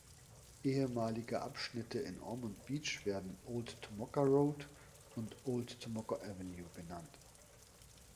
Ehemalige Abschnitte in Ormond Beach werden „Old Tomoka Road“ und „Old Tomoka Avenue“ genannt.